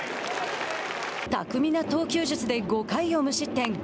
巧みな投球術で５回を無失点。